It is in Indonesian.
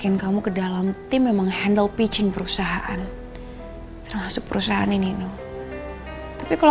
yang penting kamu sehat dulu disini ya